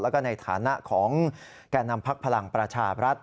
แล้วก็ในฐานะของแก่นำพักพลังประชาบรัฐ